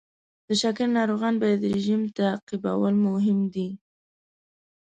د شکر ناروغان باید رژیم تعقیبول مهم دی.